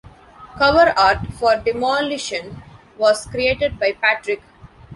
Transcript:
Cover art for "Demolition" was created by Patrick.